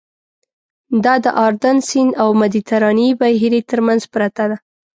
دا د اردن سیند او مدیترانې بحیرې تر منځ پرته ده.